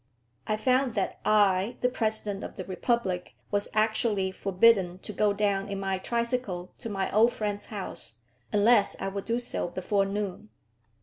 I found that I, the President of the Republic, was actually forbidden to go down in my tricycle to my old friend's house, unless I would do so before noon.